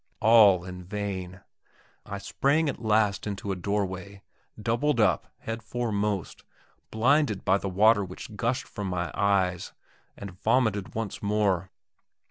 All in vain. I sprang at last into a doorway, doubled up, head foremost, blinded with the water which gushed from my eyes, and vomited once more.